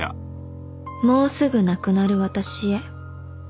「もうすぐ亡くなる私へ」